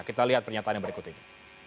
kita lihat pernyataannya berikut ini